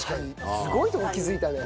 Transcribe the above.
すごいとこ気づいたね。